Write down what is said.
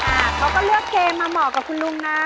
เขาก็เลือกเกมมาเหมาะกับคุณลุงนะ